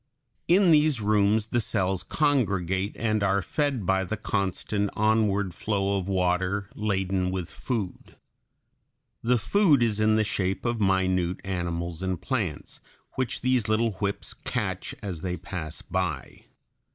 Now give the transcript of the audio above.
In these rooms the cells congregate and are fed by the constant onward flow of water laden with food. The food is in the shape of minute animals and plants which these little whips catch as they pass by.